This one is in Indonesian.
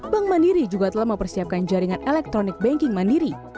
bank mandiri juga telah mempersiapkan jaringan elektronik banking mandiri